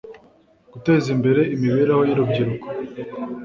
guteza imbere imibereho y'urubyiruko